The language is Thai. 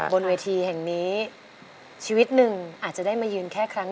เปลี่ยนเพลงเก่งของคุณและข้ามผิดได้๑คำ